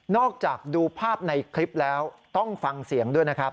จากดูภาพในคลิปแล้วต้องฟังเสียงด้วยนะครับ